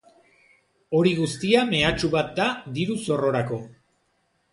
Hori guztia mehatxu bat da diru-zorrorako.